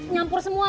nyampur semua ya